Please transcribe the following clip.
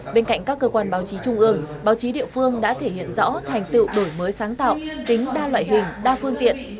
bên cạnh các cơ quan báo chí trung ương báo chí địa phương đã thể hiện rõ thành tựu đổi mới sáng tạo tính đa loại hình đa phương tiện